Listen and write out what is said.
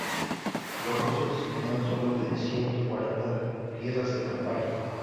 Los rusos disponían sólo de ciento cuarenta piezas de campaña.